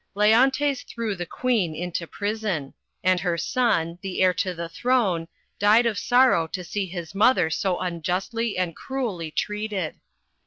Leontes threw the Queen into prison ; and her son, the heir to the throne, died of sorrow to see his mother so unjustly and cruelly treated.